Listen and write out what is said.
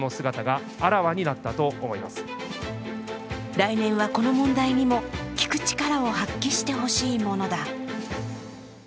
来年はこの問題にも聞く力を発揮してほしいものだ。